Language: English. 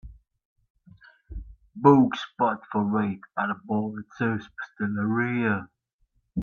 book spot for eight at a bar that serves pastelaria